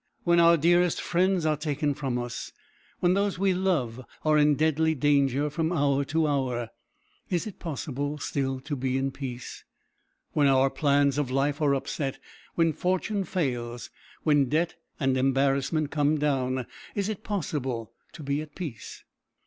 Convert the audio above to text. When our dearest friends are taken from us, when those we love are in deadly danger from hour to hour, is it possible still to be in peace? When our plans of life are upset, when fortune fails, when debt and embarrassment come down, is it possible to be at peace?